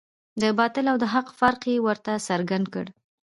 د باطل او د حق فرق یې ورته څرګند کړ.